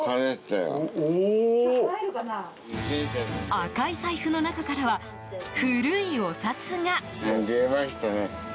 赤い財布の中からは古いお札が。